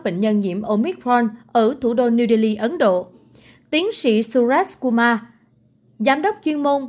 bệnh nhân nhiễm omicron ở thủ đô new delhi ấn độ tiến sĩ suresh kumar giám đốc chuyên môn